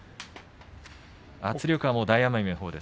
圧力は大奄美。